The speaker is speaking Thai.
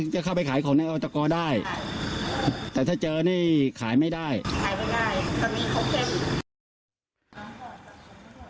ขายไม่ได้ตอนนี้เขาเข้าอีก